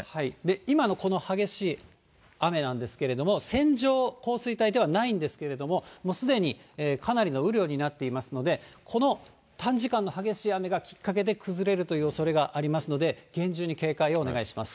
今のこの激しい雨なんですけれども、線状降水帯ではないんですけれども、もうすでにかなりの雨量になっていますので、この短時間の激しい雨がきっかけで崩れるというおそれがありますので、厳重に警戒をお願いします。